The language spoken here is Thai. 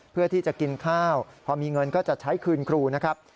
เพื่อที่จะกินข้าวพอมีเงินก็จะใช้คืนครูนะครับ